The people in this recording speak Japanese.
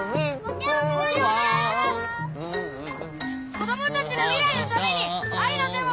子どもたちの未来のために愛の手を！